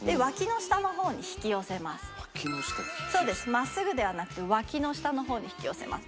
真っすぐではなくて脇の下の方に引き寄せます。